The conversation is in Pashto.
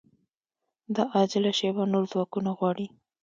دا عاجله شېبه نور ځواکونه غواړي